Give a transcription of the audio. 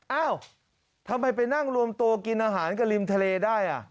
เอ้าทำไมไปนั่งรวมตัวกินอาหารกับริมทะเลได้